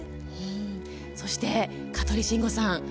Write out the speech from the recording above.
そして香取慎吾さん